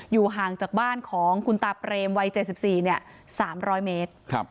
อยู่ห่างจากบ้านของคุณตาเตรมวัย๗๔เนี่ยสามร้อยเมตร